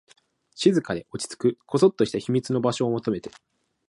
静かで、落ち着く、こそっとした秘密の場所を求めて